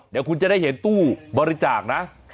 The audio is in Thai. เดี๋ยวคุณจะได้เห็นตู้บริจาคนะ